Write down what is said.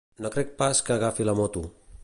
No crec pas que agafi la moto.